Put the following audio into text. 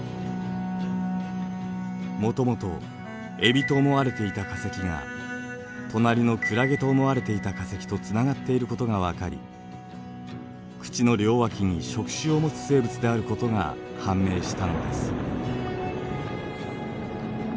もともとエビと思われていた化石が隣のクラゲと思われていた化石とつながっていることが分かり口の両脇に触手を持つ生物であることが判明したのです。